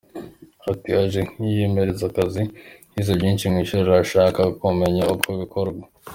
Ati “Aje kwimenyereza akazi, yize byinshi mu ishuri arashaka kumenya uko bikorwa.